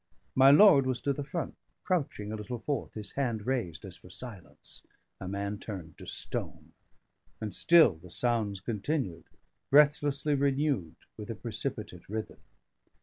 My lord was to the front, crouching a little forth, his hand raised as for silence: a man turned to stone. And still the sounds continued, breathlessly renewed with a precipitate rhythm.